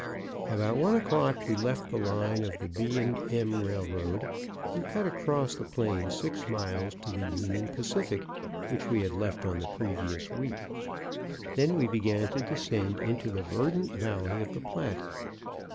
About one o'clock we left the line of the B. & M. railroad, and cut across the plain six miles to the Union Pacific, which we had left on the previous week. Then we began to descend into the verdant valley of the Platte.